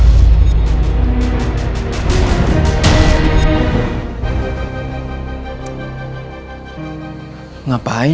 tidak ada yang bisa dipercaya